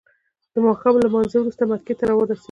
د ماښام له لمانځه وروسته مکې ته راورسیدو.